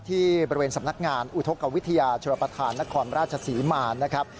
ที่บริเวณสำนักงานอุทธกวิทยาชุลประธานนครราชศรีมานะครับ